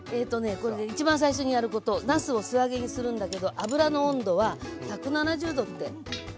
これで一番最初にやることなすを素揚げにするんだけど油の温度は１７０℃って。